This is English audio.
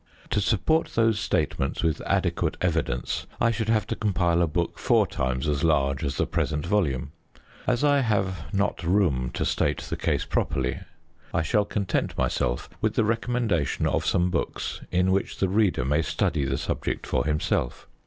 To support those statements with adequate evidence I should have to compile a book four times as large as the present volume. As I have not room to state the case properly, I shall content myself with the recommendation of some books in which the reader may study the subject for himself.